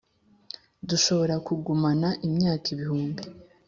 Dushobora kugumana imyaka ibihumbi